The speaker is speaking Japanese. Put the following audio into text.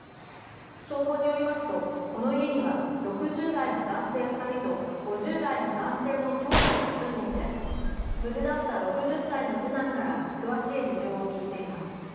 消防によりますとこの家には６０代の男性２人と５０代の男性の兄弟が住んでいて無事だった６０歳の次男から詳しい事情を聴いています。